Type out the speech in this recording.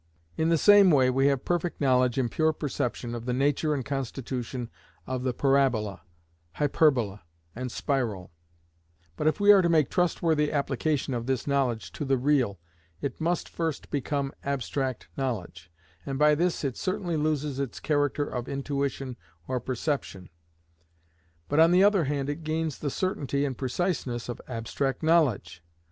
In the same way we have perfect knowledge in pure perception of the nature and constitution of the parabola, hyperbola, and spiral; but if we are to make trustworthy application of this knowledge to the real, it must first become abstract knowledge, and by this it certainly loses its character of intuition or perception, but on the other hand it gains the certainty and preciseness of abstract knowledge.